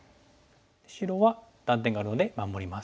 白は断点があるので守ります。